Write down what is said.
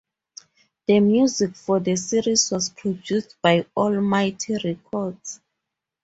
The music for the series was produced by Almighty Records.